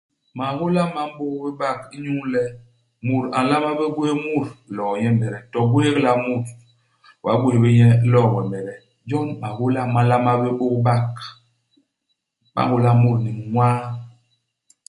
Mahôla ma m'bôk bé bak inyu le mut a nlama bé gwés mut iloo nyemede. To u gwéhék la mut, u gagwés bé nye, u loo wemede. Jon mahôla ma nlama bé bôk bak. Ba nhôla mut ni miñwaa.